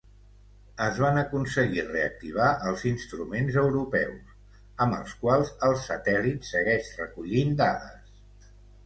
Es van aconseguir reactivar els instruments europeus, amb els quals el satèl·lit segueix recollint dades.